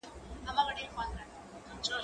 هغه څوک چي موسيقي اوري آرام وي!؟